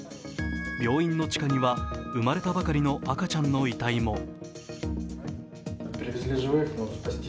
病院の地下には生まれたばかりの赤ちゃんの遺体も。